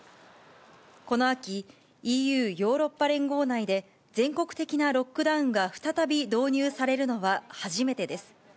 この秋、ＥＵ・ヨーロッパ連合内で全国的なロックダウンが再び導入されるのは初めてです。